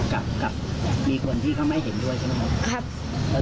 กับมีคนที่เขาไม่เห็นด้วยใช่ไหมครับ